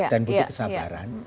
dan butuh kesabaran